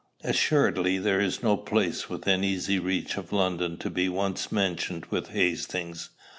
Assuredly, there is no place within easy reach of London to be once mentioned with Hastings.